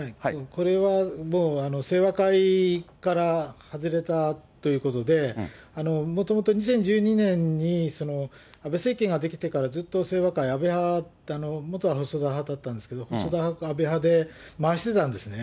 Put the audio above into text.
これは清和会から外れたということで、もともと２０１２年に、安倍政権が出来てから、ずっと清和会、安倍派、元細田派だったんですが、細田派と安倍派で回してたんですね。